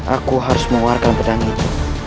aku harus mengeluarkan pedang itu